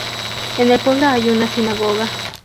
En el pueblo hay una sinagoga.